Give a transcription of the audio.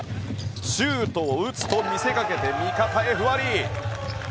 シュートを打つと見せかけて味方へ、フワリ。